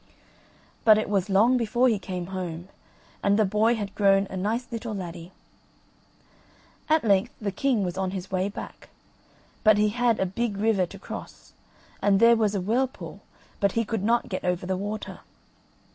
But it was long before he came home, and the boy had grown a nice little laddie. At length the king was on his way back; but he had a big river to cross, and there was a whirlpool, and he could not get over the water.